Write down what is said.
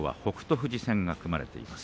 富士戦が組まれています。